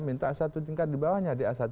minta a satu tingkat dibawahnya di a satu